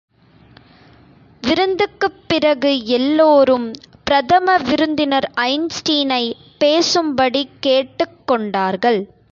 விருந்துக்குப் பிறகு எல்லோரும் பிரதம விருந்தினர் ஐன்ஸ்டீனை பேசும்படி கேட்டுக்கொண்டார்கள்.